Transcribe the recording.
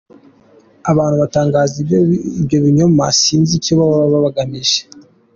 Abantu batangaza ibyo binyoma sinzi icyo baba bagamije.